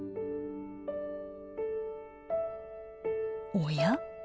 おや？